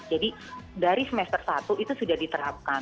jadi dari semester satu itu sudah diterapkan